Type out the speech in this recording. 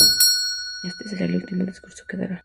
Este será el último discurso que dará.